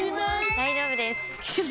大丈夫です！